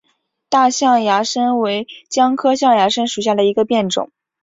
大象牙参为姜科象牙参属下的一个变种。